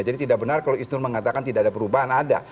jadi tidak benar kalau istur mengatakan tidak ada perubahan ada